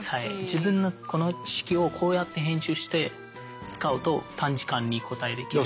自分のこの式をこうやって編集して使うと短時間に答えできるっていう。